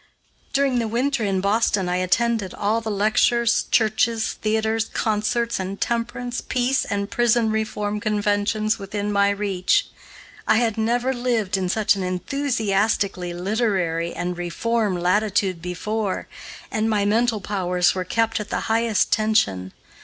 During the winter in Boston I attended all the lectures, churches, theaters, concerts, and temperance, peace, and prison reform conventions within my reach. I had never lived in such an enthusiastically literary and reform latitude before, and my mental powers were kept at the highest tension.